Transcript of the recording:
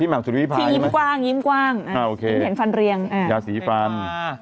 พี่แหม่มสุริพายมั้ยยิ้มกว้างยิ้มเห็นฟันเรียงครับหยาสีฟัน